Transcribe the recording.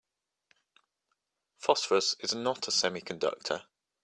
Phosphorus is not a semiconductor.